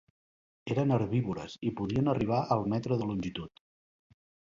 Eren herbívores i podien arribar al metre de longitud.